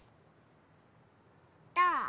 どう？